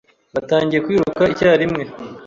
Batangiye kwiruka icyarimwe.